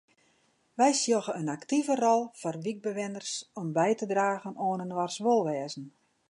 Wy sjogge in aktive rol foar wykbewenners om by te dragen oan inoars wolwêzen.